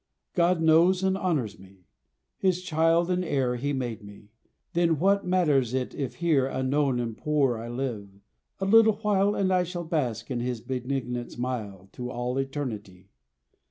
God knows and honours me. His child and heir He made me; then what matters it if here Unknown and poor I live, a little while, And I shall bask in His benignant smile To all eternity.